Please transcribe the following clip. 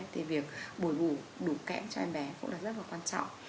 thì việc bồi ủ đủ kẽm cho em bé cũng là rất là quan trọng